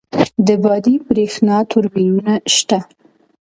د بادی بریښنا توربینونه شته؟